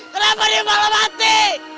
kenapa dia malah mati